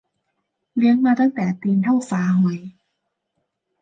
เลี้ยงมาตั้งแต่ตีนเท่าฝาหอย